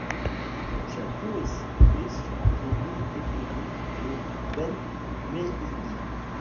Son chef-lieu est situé sur la commune éponyme de Ben Mehidi.